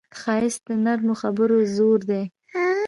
ښایست د نرمو خبرو زور دی